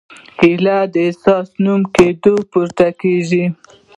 هیلې اساسي نوي کېدو پوره کېږي.